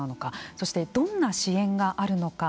そして、どんな支援があるのか。